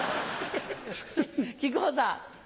木久扇さん。